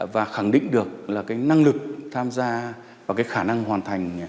và khẳng định được năng lực tham gia và khả năng hoàn thành